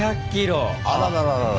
あららららら。